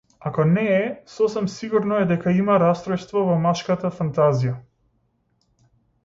Ако не е, сосем сигурно е дека има растројство во машката фантазија.